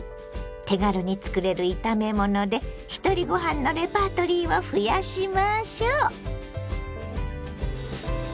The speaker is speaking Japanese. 手軽につくれる炒め物でひとりご飯のレパートリーを増やしましょ。